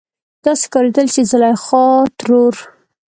داسې ښکارېدل چې زليخا ترور